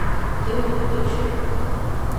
给我一对翅膀